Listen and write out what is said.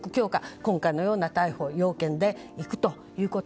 今回のような逮捕要件でいくということ。